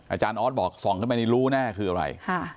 อาจารย์ออสบอกส่องขึ้นไปนี่รู้แน่คืออะไร